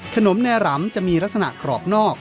ขนมแน่หลำจะมีลักษณะกรอบนอก